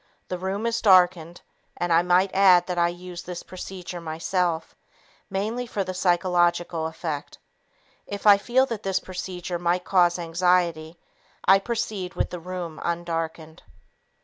The room is darkened (and I might add that I use this procedure myself) mainly for the psychological effect. If I feel that this procedure might cause anxiety, I proceed with the room undarkened.